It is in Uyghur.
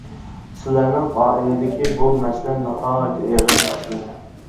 سىلەرنىڭ ئائىلىدىكى بۇ مەسىلە ناھايىتى ئېغىر مەسىلە.